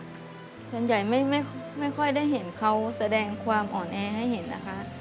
ส่วนใหญ่ไม่ค่อยได้เห็นเขาแสดงความอ่อนแอให้เห็นนะคะ